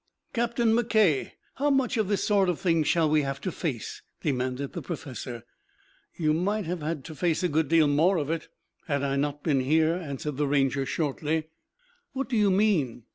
"Captain McKay, how much of this sort of thing shall we have to face?" demanded the professor. "You might have had to face a good deal more of it, had I not been here," answered the Ranger shortly. "What do you mean?"